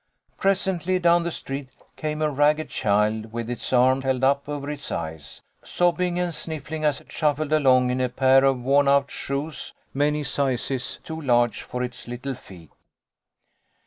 Presently, down the street came a ragged child with its arm held up over its eyes, sobbing and sniffling as it shuffled along in a pair of womout shoes many sizes too large for its little feet.